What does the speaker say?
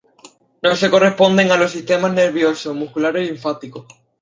No se corresponden a los sistemas nervioso, muscular o linfático.